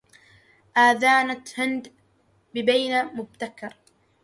آذنت هند ببين مبتكر